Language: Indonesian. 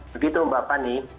begitu mbak fani